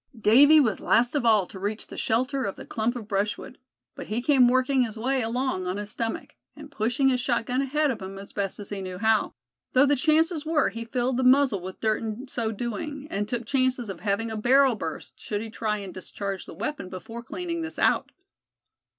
Davy was last of all to reach the shelter of the clump of brushwood, but he came working his way along on his stomach, and pushing his shotgun ahead of him as best he knew how; though the chances were he filled the muzzle with dirt in so doing, and took chances of having a barrel burst, should he try and discharge the weapon before cleaning this out.